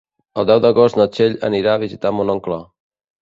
El deu d'agost na Txell anirà a visitar mon oncle.